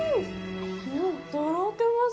とろけます。